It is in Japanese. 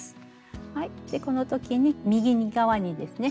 はいでこの時に右側にですね